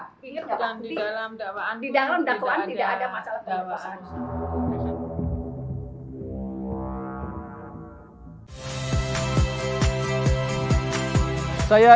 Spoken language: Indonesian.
pikirkan di dalam dakwaan di dalam dakwaan tidak ada masalah kemerkosaan saya